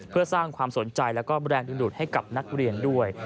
เพื่อสร้างความสนใจแล้วก็แรงดึงดูดให้กับนักเรียนด้วย